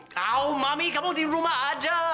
kau mami kamu di rumah aja